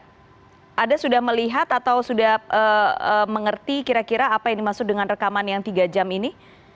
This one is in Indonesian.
apakah anda sudah melihat atau sudah mengerti kira kira apa yang dimaksud dengan rekaman yang tiga jam ini